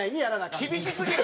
井上：厳しすぎる！